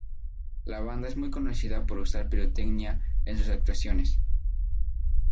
La banda es muy conocida por usar pirotecnia en sus actuaciones.